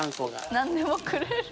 何でもくれる。